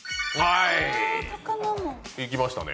いきましたね。